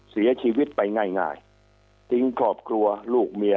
เสียชีวิตไปง่ายทิ้งครอบครัวลูกเมีย